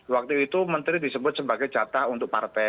waktu itu menteri disebut sebagai jatah untuk partai